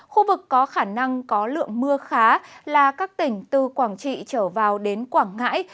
khu vực có khả năng có lượng mưa khá là các tỉnh từ quảng trị trở vào đến quảng ngãi